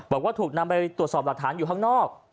บอกว่าถูกนำไปตรวจสอบหลักฐานอยู่ข้างนอก